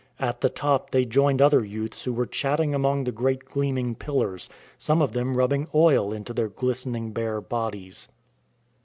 At the top they joined other youths who were chatting among the great gleaming pillars, some of them rubbing oil into their glistening bare bodies.